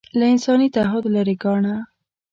له انساني تعهد لرې ګاڼه